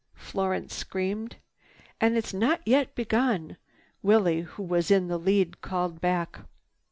Florence screamed. "And it's not yet begun!" Willie, who was in the lead, called back.